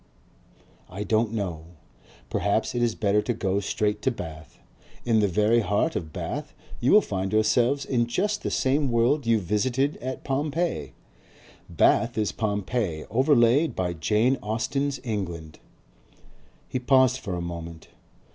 I don't know. Perhaps it is better to go straight to Bath. In the very heart of Bath you will find yourselves in just the same world you visited at Pompeii. Bath is Pompeii overlaid by Jane Austen's England." He paused for a moment.